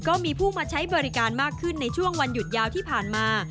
ก็มีผู้มาใช้บริการมากขึ้นในช่วงวันหยุดยาวที่ผ่านมา